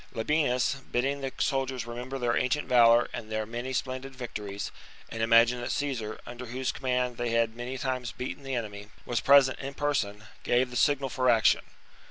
Labienus, bidding the soldiers remember ge^nTi" and re their ancient valour and their many splendid J"'"^ ^^^''^'■• victories, and imagine that Caesar, under whose command they had many times beaten the enemy, was present in person, gave the signal for action.